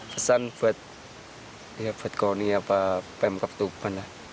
pesan buat ya buat koni apa pemkap tuban lah